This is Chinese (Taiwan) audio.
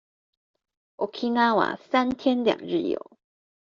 沖繩三天兩日遊